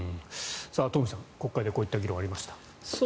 東輝さん、国会でこういう議論がありました。